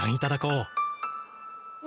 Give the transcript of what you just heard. うわ！